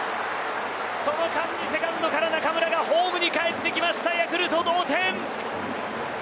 その間にセカンドから中村がホームにかえってきましたヤクルト、同点！